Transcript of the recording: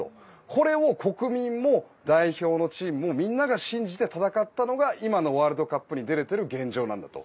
これを国民も代表のチームもみんなが信じて戦ったのが今のワールドカップに出れている現状なんだと。